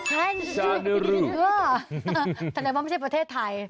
แสดงว่าไม่ใช่ประเทศไทย